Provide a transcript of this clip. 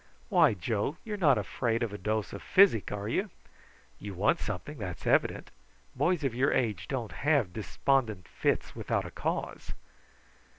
Why, Joe, you're not afraid of a dose of physic, are you? You want something, that's evident. Boys of your age don't have despondent fits without a cause."